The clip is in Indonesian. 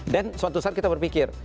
dan suatu saat kita berpikir